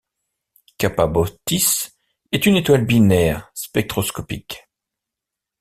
Kappa Bootis est une étoile binaire spectroscopique.